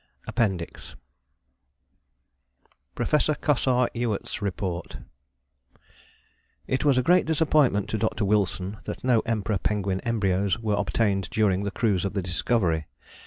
APPENDIX PROFESSOR COSSAR EWART'S REPORT "It was a great disappointment to Dr. Wilson that no Emperor Penguin embryos were obtained during the cruise of the Discovery.